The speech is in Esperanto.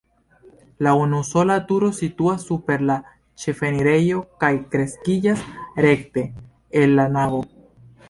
La unusola turo situas super la ĉefenirejo kaj kreskiĝas rekte el la navo.